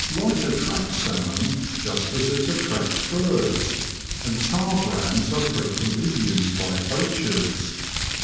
Light attracts salmon just as it attracts birds, and tar brands are frequently used by poachers.